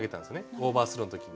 オーバースローの時に。